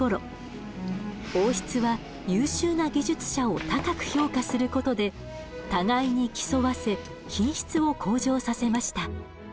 王室は優秀な技術者を高く評価することで互いに競わせ品質を向上させました。